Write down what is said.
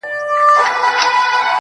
ښه خبر وو مندوشاه له مصیبته!!